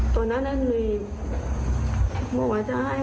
ตอนนั้นเรียงบอกว่าจะให้เข้าไป